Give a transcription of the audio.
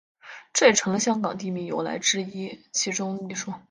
这也成了香港地名由来之其中一说。